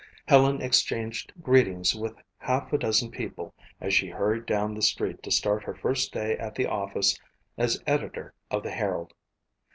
Helen exchanged greetings with half a dozen people as she hurried down the street to start her first day at the office as editor of the Herald.